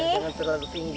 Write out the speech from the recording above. jangan terlalu tinggi